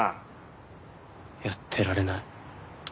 やってられない。